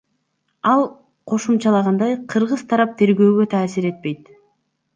Ал кошумчалагандай, кыргыз тарап тергөөгө таасир этпейт.